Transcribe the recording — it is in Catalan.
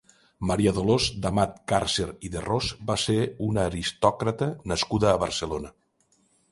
Maria Dolors d'Amat-Càrcer i de Ros va ser una aristòcrata, nascuda a Barcelona.